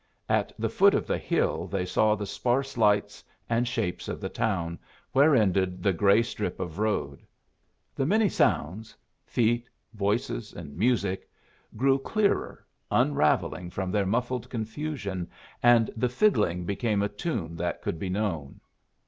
At the foot of the hill they saw the sparse lights and shapes of the town where ended the gray strip of road. The many sounds feet, voices, and music grew clearer, unravelling from their muffled confusion, and the fiddling became a tune that could be known.